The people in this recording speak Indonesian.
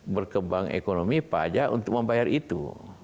berkembang ekonomi pajak untuk membayar itu